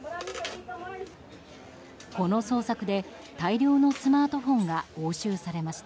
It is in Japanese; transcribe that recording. この捜索で大量のスマートフォンが押収されました。